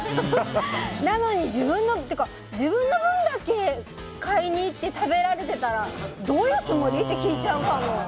なのに自分の分だけ買いに行って食べられてたらどういうつもり？って聞いちゃうかも。